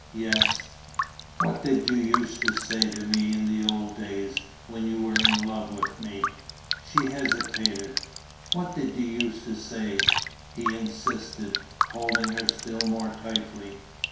"Yes." "What used you to say to me in the old days, when you were in love with me?" She hesitated. "What used you to say?" he insisted, holding her still more tightly.